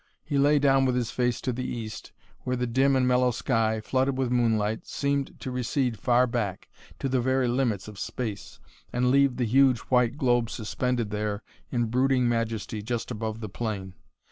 He lay down with his face to the east, where the dim and mellow sky, flooded with moonlight, seemed to recede far back, to the very limits of space, and leave the huge white globe suspended there in brooding majesty just above the plain.